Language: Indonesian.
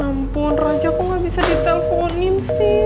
ampun raja kok gak bisa diteleponin sih